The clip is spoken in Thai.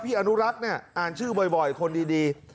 พี่อนุรักษ์อ่านชื่อบ่อยคนดี